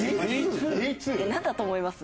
なんだと思います？